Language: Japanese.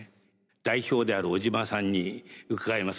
代表である小島さんに伺います。